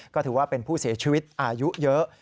ก็ถือว่าเป็นผู้เสียชีวิตอายุเยอะ